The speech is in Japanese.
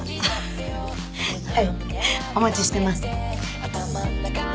はいお待ちしてます。